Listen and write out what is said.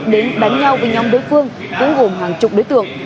đến đánh nhau với nhóm đối phương cũng gồm hàng chục đối tượng